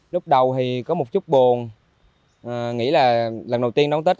lúc đầu thì có một chút buồn nghĩ là lần đầu tiên đón tết